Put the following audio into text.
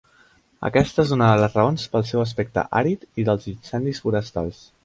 Aquesta és una de les raons del seu aspecte àrid i dels incendis forestals.